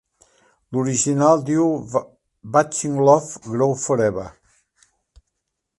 L'original diu "Watching love grow forever".